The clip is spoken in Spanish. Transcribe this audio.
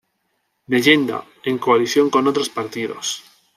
Leyenda: En coalición con otros partidos.